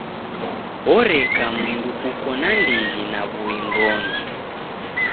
Oreka mndu uko na ndighi na w'uing'oni.